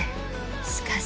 しかし。